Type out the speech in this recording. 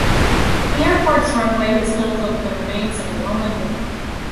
The airport's runway is built over the remains of a Roman villa.